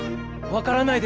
分からない